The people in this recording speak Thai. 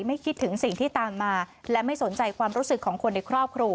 คิดถึงสิ่งที่ตามมาและไม่สนใจความรู้สึกของคนในครอบครัว